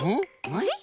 あれ？